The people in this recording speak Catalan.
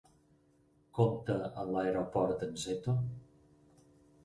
Compta amb l'Aeroport de Nzeto.